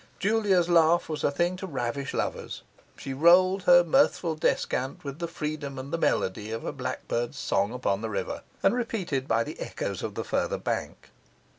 Julia's laugh was a thing to ravish lovers; she rolled her mirthful descant with the freedom and the melody of a blackbird's song upon the river, and repeated by the echoes of the farther bank.